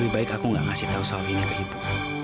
lebih baik aku gak ngasih tahu soal ini ke ibu